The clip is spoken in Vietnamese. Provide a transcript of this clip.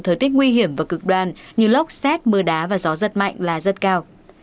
thời tiết nguy hiểm và cực đoan như lốc xét mưa đá và gió giật mạnh là rất cao